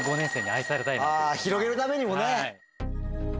広げるためにもね。